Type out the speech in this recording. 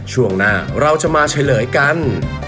ช่วงหน้าเราจะมาเฉลยกัน